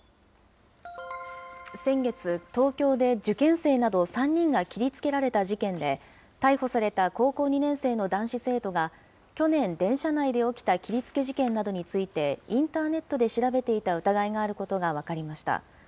先月、東京で受験生など３人が切りつけられた事件で、逮捕された高校２年生の男子生徒が、去年、電車内で起きた切りつけ事件などについて、インターネットで調べていた疑いがあることが分かりました。